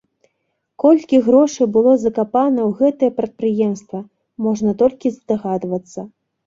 Колькі грошай было закапана ў гэтае прадпрыемства, можна толькі здагадвацца.